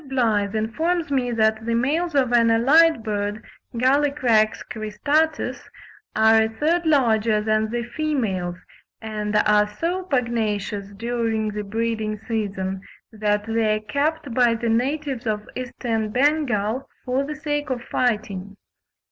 Blyth informs me that the males of an allied bird (Gallicrex cristatus) are a third larger than the females, and are so pugnacious during the breeding season that they are kept by the natives of Eastern Bengal for the sake of fighting.